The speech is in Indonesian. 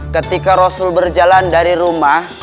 ketika rasul berjalan dari rumah